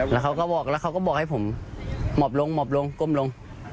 แล้วเขาก็บอกให้ผมหมอบลงหมอบลงก้มลง